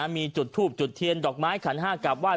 มีจุดทูบจุดเทียนดอกไม้ขันห้ากราบไห้